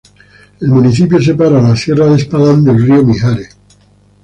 El municipio separa la Sierra de Espadán del río Mijares.